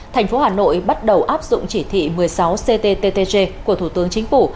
thành phố hà nội bắt đầu áp dụng chỉ thị một mươi sáu cttg của thủ tướng chính phủ